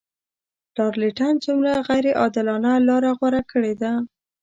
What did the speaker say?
لارډ لیټن څومره غیر عادلانه لار غوره کړې ده.